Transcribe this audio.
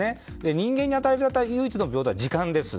人間に与えられた唯一の平等なものは時間です。